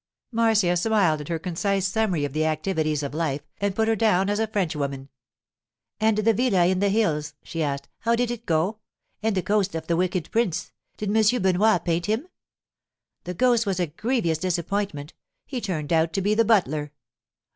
Marcia smiled at her concise summary of the activities of life, and put her down as a Frenchwoman. 'And the villa in the hills?' she asked. 'How did it go? And the ghost of the Wicked Prince? Did Monsieur Benoit paint him?' 'The ghost was a grievous disappointment. He turned out to be the butler.